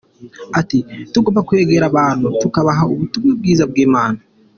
Ati “Tugomba kwegera abantu tukabaha ubutumwa bwiza bw’Imana.